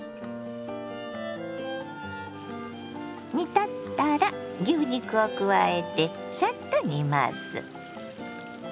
煮立ったら牛肉を加えてサッと煮ます。